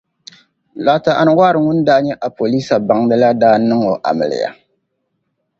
Dr. Anwar Fakim ŋun nya apɔleesa baŋda la daa niŋ o amiliya.